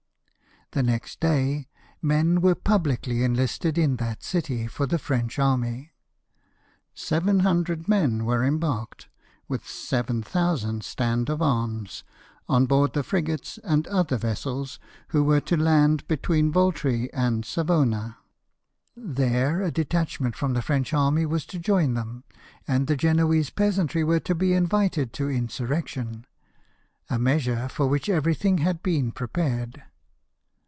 The next day men were publicly enlisted in that city for the French army: 700 men were embarked, with 7,000 stand of arms, on board the frigates and other vessels, who were to land between Voltri and Savona ; there 90 LIFE OF NELSON. a detachment from, the French army was to join them, and the Genoese peasantry were to be invited to insurrection — a measure for which everything had been prepared.